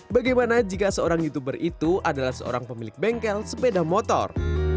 bagaimana jika seorang youtuber itu adalah seorang pemilik bengkel sepeda motor